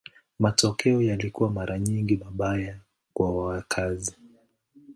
Matokeo yalikuwa mara nyingi mabaya kwa wakazi.